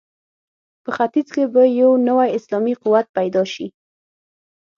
په ختیځ کې به یو نوی اسلامي قوت پیدا شي.